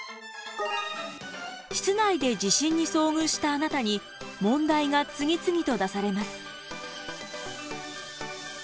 室内で地震に遭遇したあなたに問題が次々と出されます。